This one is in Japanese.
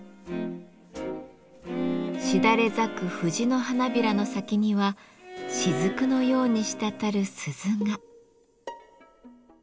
しだれ咲く藤の花びらの先にはしずくのように滴る鈴が。